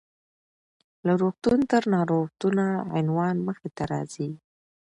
له روغتون تر ناروغتونه: عنوان مخې ته راځي .